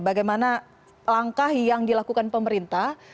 bagaimana langkah yang dilakukan pemerintah